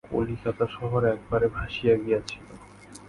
কলিকাতা শহর একেবারে ভাসিয়া গিয়াছিল।